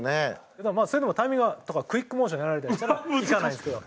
でもそれでもタイミングとかクイックモーションやられたりしたらいかないですけど。